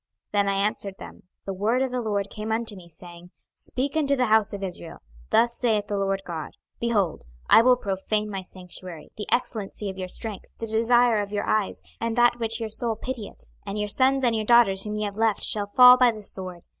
26:024:020 Then I answered them, The word of the LORD came unto me, saying, 26:024:021 Speak unto the house of Israel, Thus saith the Lord GOD; Behold, I will profane my sanctuary, the excellency of your strength, the desire of your eyes, and that which your soul pitieth; and your sons and your daughters whom ye have left shall fall by the sword.